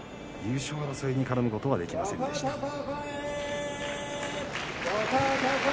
優勝争いに絡むことはできませんでした。